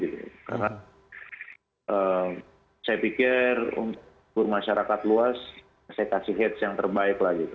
karena saya pikir untuk masyarakat luas saya kasih hits yang terbaik lah gitu